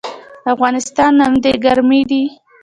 د افغانستان نمدې ګرمې دي